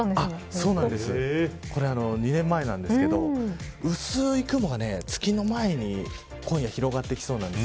これ、２年前なんですけど薄い雲が月の前に今夜、広がってきそうなんです。